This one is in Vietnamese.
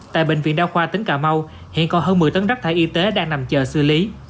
tại bệnh viện đa khoa tỉnh cà mau hiện còn hơn một mươi tấn rác thải y tế đang nằm chờ xử lý